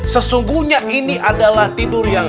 sesungguhnya ini adalah tidur yang